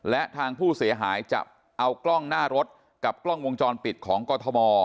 และทางผู้เสียหายจะเอากล้องหน้ารถกับกล้องวงจรปิดของกรทม